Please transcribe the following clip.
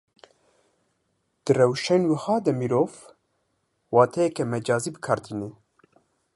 Di rewşên wiha de mirov, wateyeke mecazî bi kar tîne